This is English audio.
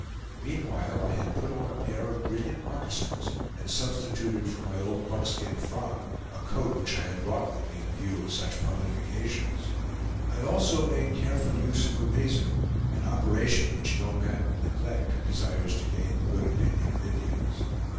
Meanwhile I had put on a pair of brilliant moccasins, and substituted for my old buckskin frock a coat which I had brought with me in view of such public occasions. I also made careful use of the razor, an operation which no man will neglect who desires to gain the good opinion of Indians.